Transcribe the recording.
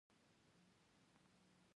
ایا کله مو وینه ورکړې ده؟